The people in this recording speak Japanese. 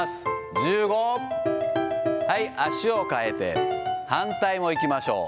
１５、はい、足をかえて、反対もいきましょう。